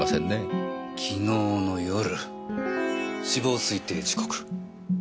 昨日の夜死亡推定時刻。